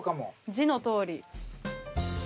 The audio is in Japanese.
字のとおり。